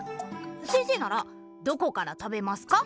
先生ならどこから食べますか？